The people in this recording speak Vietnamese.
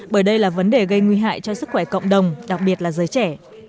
bởi đây là vấn đề gây nguy hại cho sức khỏe cộng đồng đặc biệt là giới trẻ